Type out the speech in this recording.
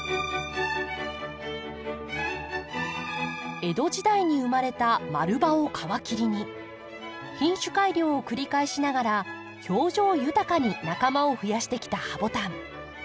江戸時代に生まれた丸葉を皮切りに品種改良を繰り返しながら表情豊かに仲間を増やしてきたハボタン。